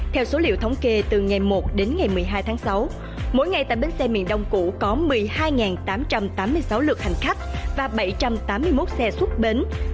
theo số liệu thống kê từ ngày một đến ngày một mươi hai tháng sáu mỗi ngày tại bến xe miền đông cũ có một mươi hai tám trăm tám mươi sáu lượt hành khách và bảy trăm tám mươi một xe xuất bến